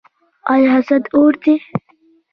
آیا حسد اور دی؟